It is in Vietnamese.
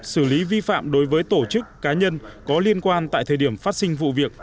xử lý vi phạm đối với tổ chức cá nhân có liên quan tại thời điểm phát sinh vụ việc